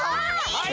はい！